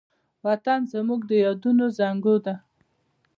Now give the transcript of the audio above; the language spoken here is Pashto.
وطن زموږ د یادونو زانګو ده.